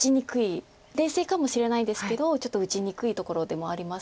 冷静かもしれないですけどちょっと打ちにくいところでもあります。